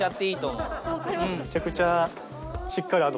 めちゃくちゃ。